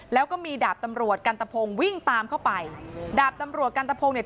แล้วก็มีดาบตำรวจกันตะพงวิ่งตามเข้าไปดาบตำรวจกันตะพงเนี่ย